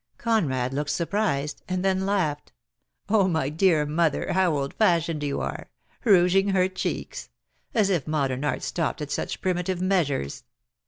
Conrad looked surprised, and then laughed. "Oh, my dear mother, how old fashioned you are! Rouging her cheeks! As if modern art stopped at such primitive measures.